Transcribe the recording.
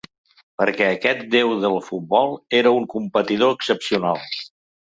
Perquè aquest déu del futbol era un competidor excepcional.